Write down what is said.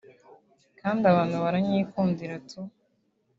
kandi abantu baranyikundira tu